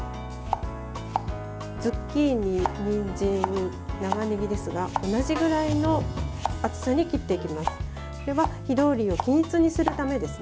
ズッキーニ、にんじん長ねぎですが同じくらいの厚さに切っていきます。